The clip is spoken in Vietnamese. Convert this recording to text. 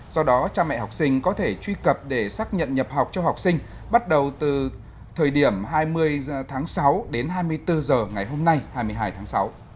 do đó cha mẹ học sinh có thể truy cập để xác nhận nhập học cho học sinh bắt đầu từ thời điểm hai mươi tháng sáu đến hai mươi bốn h ngày hôm nay hai mươi hai tháng sáu